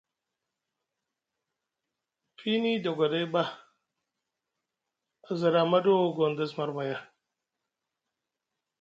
Fiini dogoɗay ɓa aza ɗa amaɗo Gondess marmaya ?